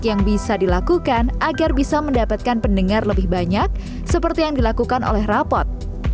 yang bisa dilakukan agar bisa mendapatkan pendengar lebih banyak seperti yang dilakukan oleh rapot